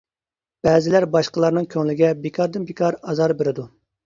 بەزىلەر باشقىلارنىڭ كۆڭلىگە بىكاردىن-بىكار ئازار بېرىدۇ.